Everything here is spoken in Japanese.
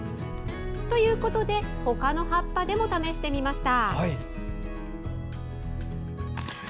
ということでほかの葉っぱでも試してみました。